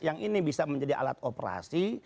yang ini bisa menjadi alat operasi